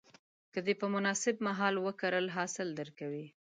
که دې په مناسب مهال وکرل، حاصل درکوي.